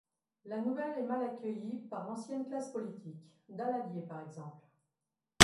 La nouvelle est mal accueillie par l'ancienne classe politique, Daladier par exemple.